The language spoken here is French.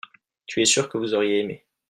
tu es sûr que vous auriez aimé.